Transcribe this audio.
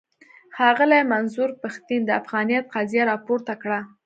ښاغلي منظور پښتين د افغانيت قضيه راپورته کړه.